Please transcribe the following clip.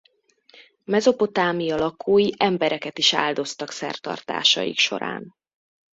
Mezopotámia lakói embereket is áldoztak szertartásaik során.